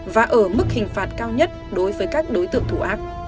và ở mức hình phạt cao nhất đối với các đối tượng thủ ác